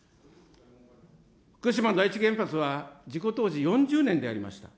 福島第一原発は事故当時４０年でありました。